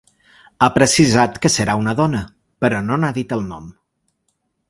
Ha precisat que serà una dona, però no n’ha dit el nom.